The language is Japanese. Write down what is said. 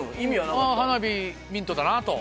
花火ミントだなと。